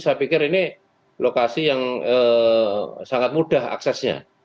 saya pikir ini lokasi yang sangat mudah aksesnya